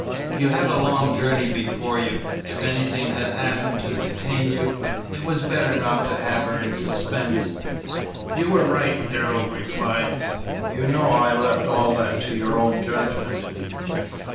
You had a long journey before you; if anything had happened to detain you, it was better not to have her in suspense." "You were right," Darrell replied; "you know I left all that to your own judgment."